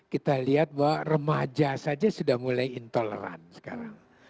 kita lihat bahwa remaja saja sudah mulai intoleran sekarang